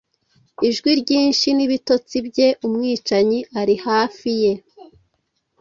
Ijwi ryinshi ni ibitotsi bye umwicanyi ari hafi ye